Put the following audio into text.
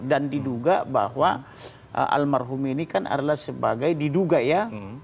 dan diduga bahwa almarhum ini kan adalah sebagai diduga ya